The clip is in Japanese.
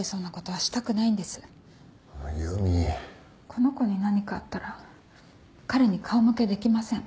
この子に何かあったら彼に顔向けできません。